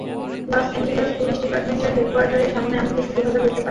Loss Angeles police ডিপার্টমেন্টের হেডকোয়ার্টারের সামনে এমন কিছু কিভাবে ঘটতে পারে?